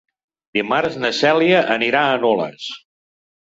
Dimarts na Cèlia anirà a Nulles.